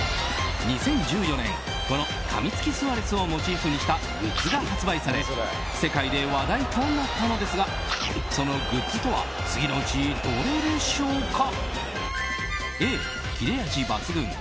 ２０１４年このかみつきスアレスをモチーフにしたグッズが発売され世界で話題となったのですがそのグッズとは次のうちどれでしょうか。